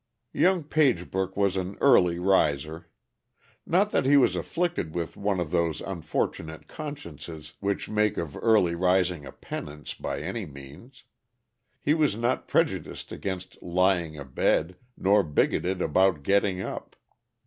_ Young Pagebrook was an early riser. Not that he was afflicted with one of those unfortunate consciences which make of early rising a penance, by any means. He was not prejudiced against lying abed, nor bigoted about getting up.